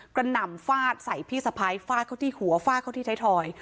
หน่ำฟาดใส่พี่สะพ้ายฟาดเขาที่หัวฟาดเข้าที่ไทยทอย